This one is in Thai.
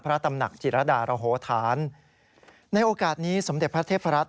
ตำหนักจิรดารโหธานในโอกาสนี้สมเด็จพระเทพรัฐ